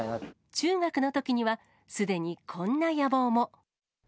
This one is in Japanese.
中学のときには、すでにこんな野望も。